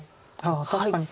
確かに。